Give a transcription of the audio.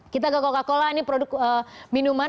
kita ke coca cola ini produk minuman